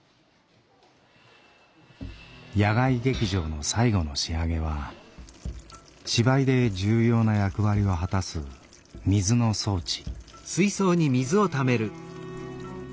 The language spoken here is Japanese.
野外劇場の最後の仕上げは芝居で重要な役割を果たす水の装置。